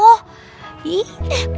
nah pasti males gak nyariin aku